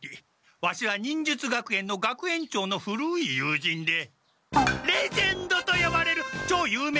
ワシは忍術学園の学園長の古い友人でレジェンドとよばれるちょう有名な一流忍者！